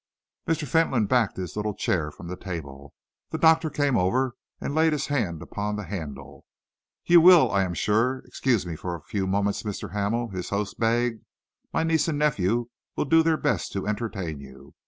Mr. Fentolin backed his little chair from the table. The doctor came over and laid his hand upon the handle. "You will, I am sure, excuse me for a few moments, Mr. Hamel," his host begged. "My niece and nephew will do their best to entertain you.